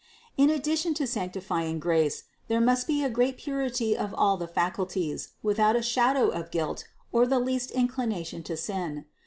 In addition to sanctifying grace, there must be great purity of all the faculties, without a shadow of guilt or the least inclina tion to sin.